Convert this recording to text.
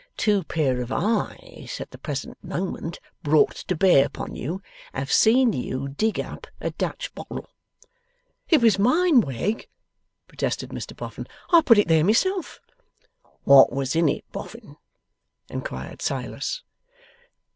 Two pair of eyes at the present moment brought to bear upon you, have seen you dig up a Dutch bottle.' 'It was mine, Wegg,' protested Mr Boffin. 'I put it there myself.' 'What was in it, Boffin?' inquired Silas.